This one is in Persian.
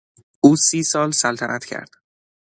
او سی سال سلطنت کرد.